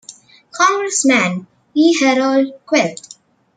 Congressman E. Harold Cluett.